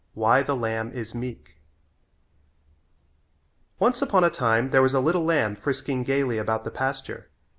V Why the Lamb Is Meek Once upon a time there was a little lamb frisking gaily about the pasture.